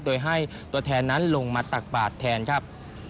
โดยให้ตัวแทนนั้นลงมาตักบาทแทนครับ